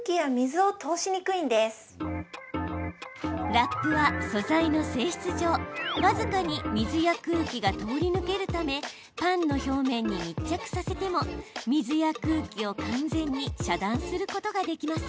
ラップは素材の性質上僅かに水や空気が通り抜けるためパンの表面に密着させても水や空気を完全に遮断することができません。